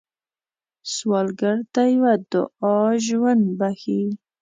سوالګر ته یوه دعا ژوند بښي